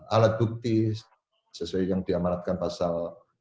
alat bukti sesuai yang diamanatkan pasal